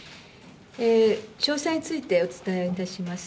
詳細についてお伝えいたします。